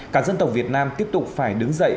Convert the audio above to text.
cả dân tộc việt nam tiếp tục phải đứng dậy